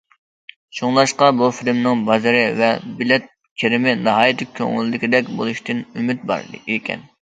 شۇڭلاشقا بۇ فىلىمنىڭ بازىرى ۋە بېلەت كىرىمى ناھايىتى كۆڭۈلدىكىدەك بولۇشىدىن ئۈمىد بار ئىكەن.